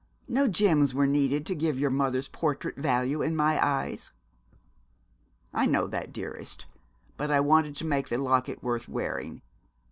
No gems were needed to give your mother's portrait value in my eyes.' 'I know that, dearest, but I wanted to make the locket worth wearing.